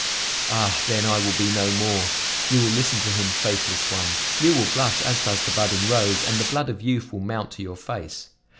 Ah! then I will be no more! You will listen to him, faithless one! You will blush as does the budding rose and the blood of youth will mount to your face.